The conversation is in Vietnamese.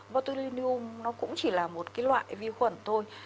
botulinum nó cũng chỉ là một cái loại vi khuẩn thôi